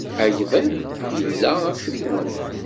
Agḍiḍ ila afriwen.